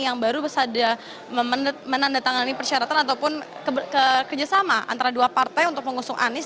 yang baru saja menandatangani persyaratan ataupun kerjasama antara dua partai untuk mengusung anies